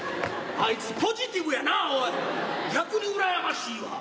あいつポジティブやなおい。